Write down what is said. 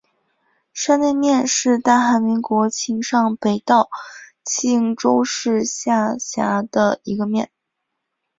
山内面是大韩民国庆尚北道庆州市下辖的一个面。